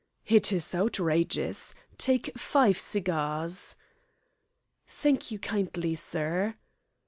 "It is outrageous. Take five cigars." "Thank you kindly, sir."